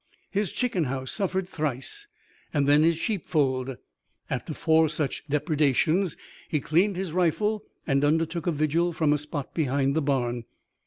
His chicken house suffered thrice and then his sheep fold. After four such depredations he cleaned his rifle and undertook a vigil from a spot behind the barn.